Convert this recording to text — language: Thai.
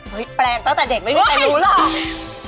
แปลงตั้งแต่เด็กไม่มีใครรู้หรอก